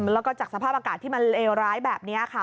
แล้วก็จากสภาพอากาศที่มันเลวร้ายแบบนี้ค่ะ